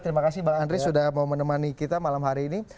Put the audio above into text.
terima kasih bang andre sudah mau menemani kita malam hari ini